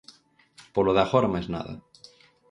Polo de agora, máis nada.